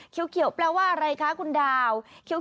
เขียวแปลว่าอะไรคะคุณดาว